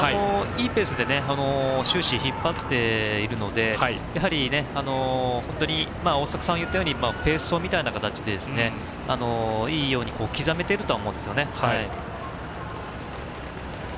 いいペースで終始引っ張っているので本当に大迫さんが言ったようにペース走みたいな形でいいように刻めているとは思います。